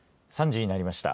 ３時になりました。